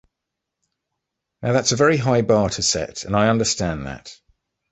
Now that's a very high bar to set and I understand that.